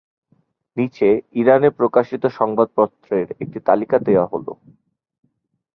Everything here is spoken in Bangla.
নিচে ইরানে প্রকাশিত সংবাদপত্রের একটি তালিকা দেওয়া হল।